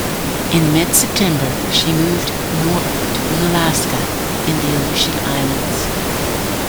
In mid-September, she moved north to Unalaska in the Aleutian Islands.